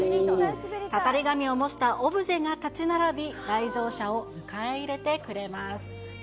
タタリ神を模したオブジェが建ち並び、来場者を迎え入れてくれます。